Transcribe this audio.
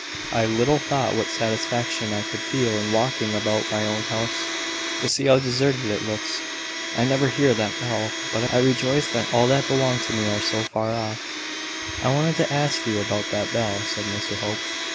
I little thought what satisfaction I could feel in walking about my own house, to see how deserted it looks. I never hear that bell but I rejoice that all that belong to me are so far off." "I wanted to ask you about that bell," said Hope.